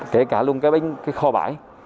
kể cả luôn cái kho bãi